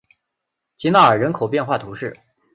吉纳尔人口变化图示